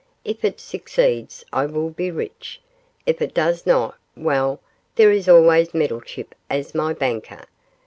If it succeeds I will be rich; if it does not well, there is always Meddlechip as my banker.